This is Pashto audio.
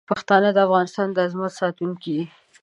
پښتانه د افغانستان د عظمت ساتونکي دي.